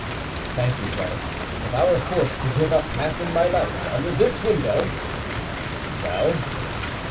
"Thank you, brother. If I were forced to give up passing my nights under this window." "Well?"